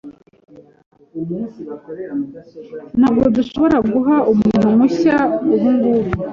Ntabwo dushobora guha umuntu mushya ubungubu.